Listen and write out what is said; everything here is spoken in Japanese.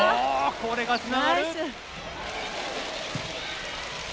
これがつながる。